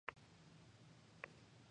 新宿三丁目駅